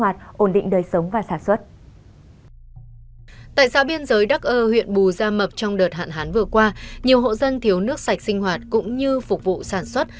tại xã biên giới đắc ơ huyện bù gia mập trong đợt hạn hán vừa qua nhiều hộ dân thiếu nước sạch sinh hoạt cũng như phục vụ sản xuất